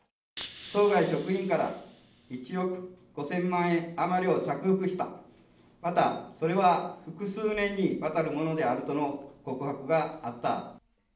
当該職員から１億５０００万円余りを着服した、また、それは複数年にわたるものであるとの告白があった。